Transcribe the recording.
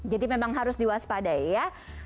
jadi memang harus diwaspadai ya